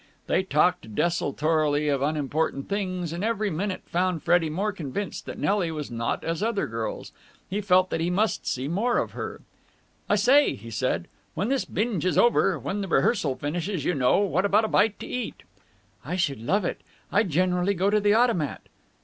They talked desultorily of unimportant things, and every minute found Freddie more convinced that Nelly was not as other girls. He felt that he must see more of her. "I say," he said. "When this binge is over ... when the rehearsal finishes, you know, how about a bite to eat?" "I should love it. I generally go to the Automat."